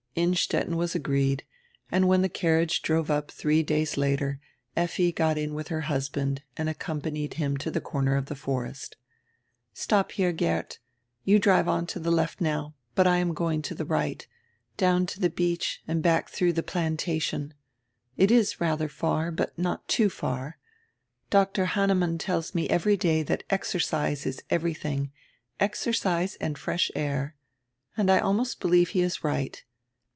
Innstetten was agreed, and when the carriage drove up three days later Effi got in with her husband and accom panied him to the corner of the forest. "Stop here, Geert You drive on to the left now, but I am going to the right, down to the beach and back through tire 'Plantation.' It is rather far, but not too far. Dr. Hannemann tells me every day that exercise is everything, exercise and fresh air. And I almost believe he is right.